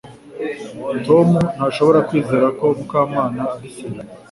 Tom ntashobora kwizera ko Mukamana ari serieux